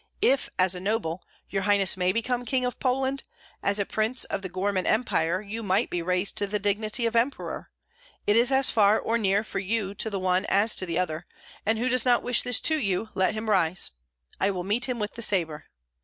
If as a noble your highness may become King of Poland, as a prince of the Gorman Empire you might be raised to the dignity of Emperor. It is as far or near for you to the one as to the other; and who does not wish this to you, let him rise. I will meet him with the sabre."